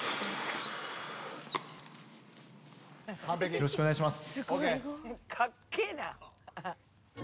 よろしくお願いします。